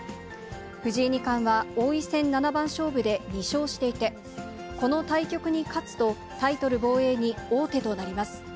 藤井二冠は王位戦七番勝負で２勝していて、この対局に勝つと、タイトル防衛に王手となります。